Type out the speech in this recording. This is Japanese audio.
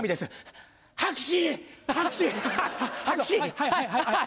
はいはいはい。